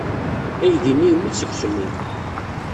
Aydi-nni yemmut seg usemmiḍ.